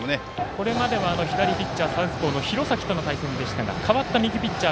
これまでは左ピッチャー、サウスポーの廣崎との対戦でしたが代わった右ピッチャー